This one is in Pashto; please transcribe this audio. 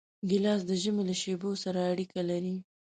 ګیلاس د ژمي له شېبو سره اړیکه لري.